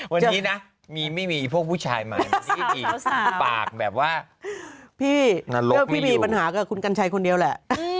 วันนี้มีไม่มีผู้ชายมาแบบนี้อีกปากแบบว่า